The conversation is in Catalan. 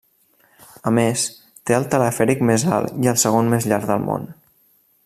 A més, té el telefèric més alt i el segon més llarg del món.